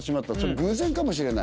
偶然かもしれない。